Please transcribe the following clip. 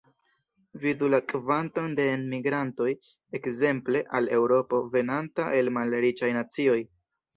Vidu la kvanton de enmigrantoj, ekzemple, al Eŭropo, venanta el malriĉaj nacioj.